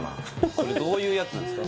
これどういうやつなんですか